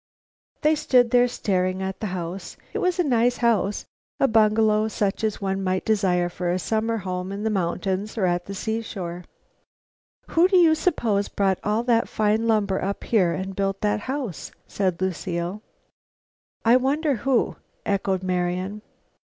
They stood there staring at the house. It was a nice house, a bungalow such as one might desire for a summer home in the mountains or at the seashore. "Who do you suppose brought all that fine lumber up here and built that house?" said Lucile. "I wonder who," echoed Marian.